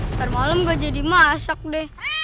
ntar malem gak jadi masak deh